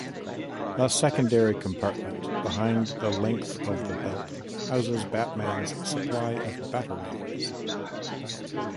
A secondary compartment behind the length of the belt houses Batman's supply of batarangs.